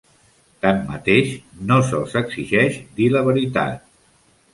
Tanmateix, no se'ls exigeix dir la veritat.